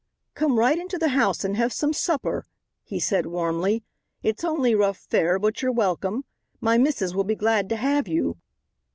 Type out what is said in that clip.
"Come right into the house and hev some supper," he said warmly. "It's only rough fare, but you're welcome. My misses will be glad to have you."